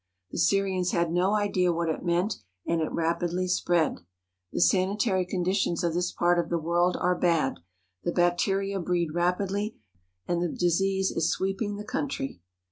The Syrians had no idea what it meant, and it rapidly spread. The sanitary conditions of this part of the world are bad, the bacteria breed rapidly, and the disease is sweeping the country.